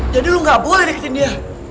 jadi lo gak boleh neketin dia